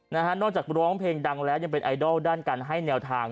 นอกจากร้องเพลงดังแล้วยังเป็นไอดอลด้านการให้แนวทาง